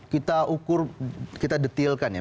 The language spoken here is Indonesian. kita ukur kita detailkan ya